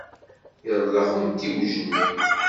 Yerdex umtiweg-nni.